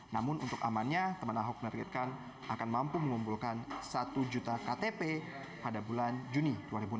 namun untuk amannya teman ahok menargetkan akan mampu mengumpulkan satu juta ktp pada bulan juni dua ribu enam belas